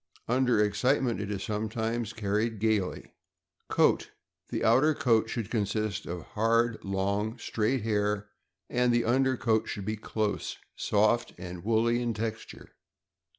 Under excitement, it is sometimes carried gaily. Coat. — The outer coat should consist of hard, long, straight hair, and the under coat should be close, soft, and woolly in texture.